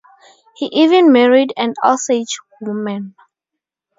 He even married an Osage woman.